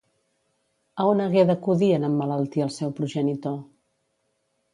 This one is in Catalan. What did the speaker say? A on hagué d'acudir en emmalaltir el seu progenitor?